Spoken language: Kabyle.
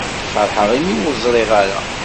Feṛḥeɣ imi ur ẓṛiɣ ara.